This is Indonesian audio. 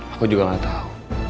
aku juga gak tau